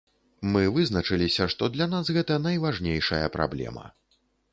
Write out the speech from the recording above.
Мы вызначыліся, што для нас гэта найважнейшая праблема.